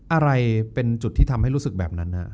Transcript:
อะไรเป็นจุดที่ทำให้รู้สึกแบบนั้น